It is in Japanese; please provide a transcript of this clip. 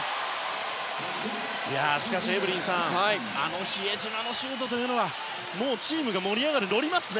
しかしエブリンさんあの比江島のシュートはもうチームが盛り上がって乗りますね。